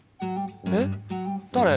えっ誰？